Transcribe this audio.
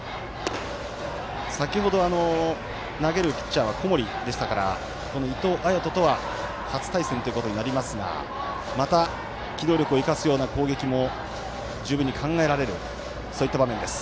先ほど、投げるピッチャーは小森でしたからこの伊藤彩斗とは初対戦ということになりますがまた機動力を生かすような攻撃も十分に考えられるそういった場面です。